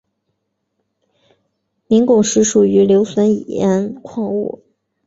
明矾石属于硫酸盐矿物。